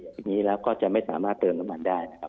อย่างนี้แล้วก็จะไม่สามารถเติมน้ำมันได้